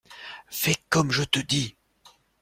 Fais comme je te dis.